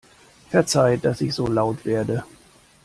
Verzeiht, dass ich so laut werde!